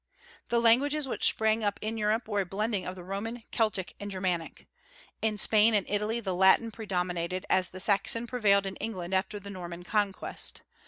The languages which sprang up in Europe were a blending of the Roman, Celtic, and Germanic. In Spain and Italy the Latin predominated, as the Saxon prevailed in England after the Norman conquest.